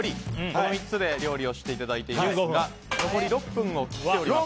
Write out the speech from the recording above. この３つで料理をしていただいていますが残り６分を切っています。